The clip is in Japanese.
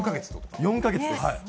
４か月です。